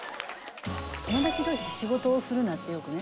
友達同士仕事をするなってよくね。